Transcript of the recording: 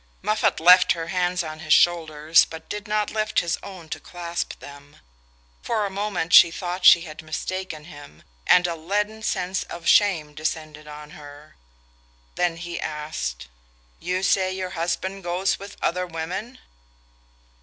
Moffatt left her hands on his shoulders, but did not lift his own to clasp them. For a moment she thought she had mistaken him, and a leaden sense of shame descended on her. Then he asked: "You say your husband goes with other women?"